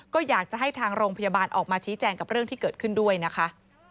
ก็อยากจะให้ทางโรงพยาบาลออกมาชี้แจงกับเรื่องที่เกิดขึ้นด้วยนะคะ